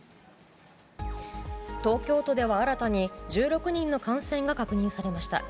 東京都では新たに１６人の感染が確認されました。